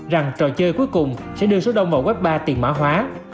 rằng trò chơi cuối cùng sẽ đưa số đông vào web ba tiền mã hóa